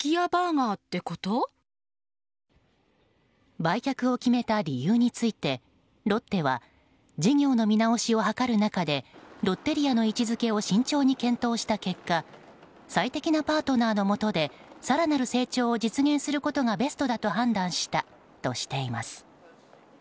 売却を決めた理由についてロッテは事業の見直しを図る中でロッテリアの位置づけを慎重に検討した結果最適なパートナーのもとで更なる成長を実現することがベストだと判断したとしています。